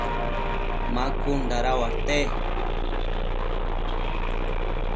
ma cun dada uate ?